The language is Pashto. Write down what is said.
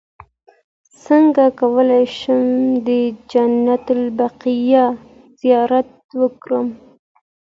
څنګه کولی شم د جنت البقیع زیارت وکړم